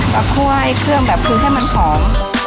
ปลาคว้ายเครื่องแบบคือให้มันหอม